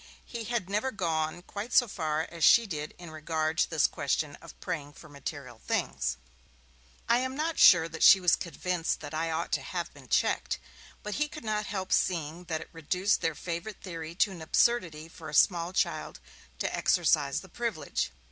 He had never gone quite so far as she did in regard to this question of praying for material things. I am not sure that she was convinced that I ought to have been checked; but he could not help seeing that it reduced their favourite theory to an absurdity for a small child to exercise the privilege.